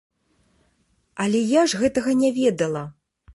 Але я ж гэтага не ведала.